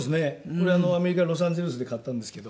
これアメリカのロサンゼルスで買ったんですけど。